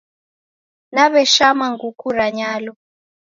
Naweshama nguku ra nyalo